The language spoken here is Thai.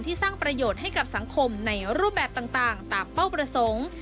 สร้างประโยชน์ให้กับสังคมในรูปแบบต่างตามเป้าประสงค์